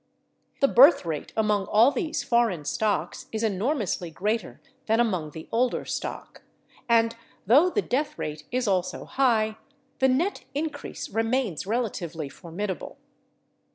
The birth rate among all these foreign stocks is enormously greater than among the older stock, and though the death rate is also high, the net increase remains relatively formidable.